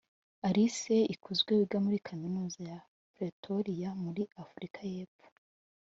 Alice Ikuzwe wiga muri Kaminuza ya Pretoria muri Afurika y’Epfo